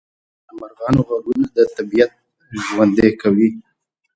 د مرغانو غږونه طبیعت ژوندی کوي